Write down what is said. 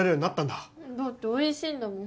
だっておいしいんだもん。